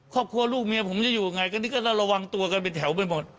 ครอบครัวลูกเมียผมจะอยู่ยังไงก็นี่ก็ระวังตัวกันเป็นแถวไปหมด